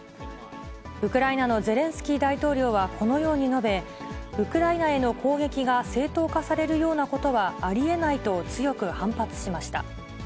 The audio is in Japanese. ウクライナのゼレンスキー大統領はこのように述べ、ウクライナへの攻撃が正当化されるようなことはありえないと強く反発しました。